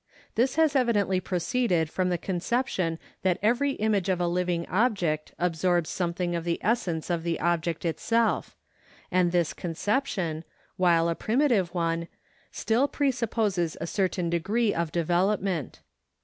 This has evidently proceeded from the conception that every image of a living object absorbs something of the essence of the object itself, and this conception, while a primitive one, still presupposes a certain degree of development.